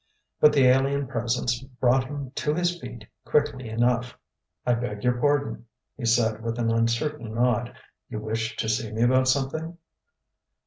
But the alien presence brought him to his feet quickly enough. "I beg your pardon," he said with an uncertain nod. "You wished to see me about something?"